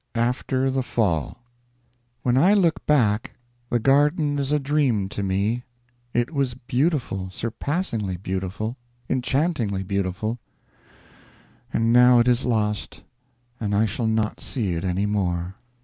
After the Fall When I look back, the Garden is a dream to me. It was beautiful, surpassingly beautiful, enchantingly beautiful; and now it is lost, and I shall not see it any more.